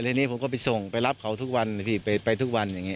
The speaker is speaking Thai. ทีนี้ผมก็ไปส่งไปรับเขาทุกวันไปอย่างนี้